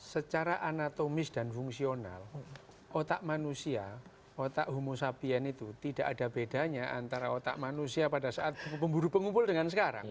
secara anatomis dan fungsional otak manusia otak humosapien itu tidak ada bedanya antara otak manusia pada saat pemburu pengumpul dengan sekarang